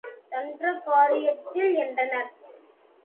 தண்ட காரணியத்தில் என்றனர்.